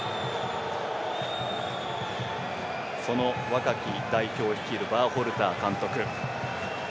若き代表を率いるバーホルター監督。